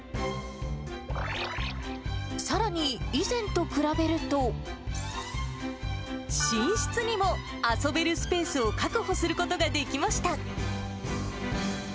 さらに、以前と比べると、寝室にも遊べるスペースを確保することができました。